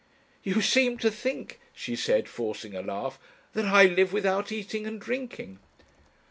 "You seem to think," she said, forcing a laugh, "that I live without eating and drinking."